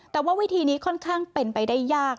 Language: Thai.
แต่ว่าวิธีนี้ค่อนข้างเป็นไปได้ยาก